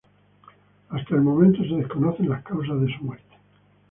Hasta el momento se desconocen las causas de su muerte.